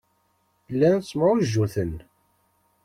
Llan ttemɛujjuten.